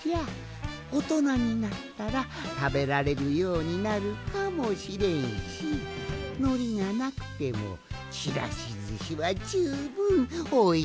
おとなになったらたべられるようになるかもしれんしのりがなくてもちらしずしはじゅうぶんおいしいぞい！